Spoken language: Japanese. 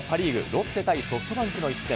ロッテ対ソフトバンクの一戦。